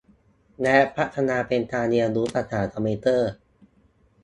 และพัฒนาเป็นการเรียนรู้ภาษาคอมพิวเตอร์